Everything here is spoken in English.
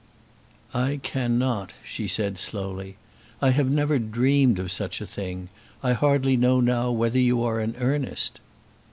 "I cannot," she said slowly. "I have never dreamed of such a thing. I hardly know now whether you are in earnest."